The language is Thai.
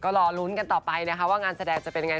ก็รอลุ้นกันต่อไปนะคะว่างานแสดงจะเป็นยังไง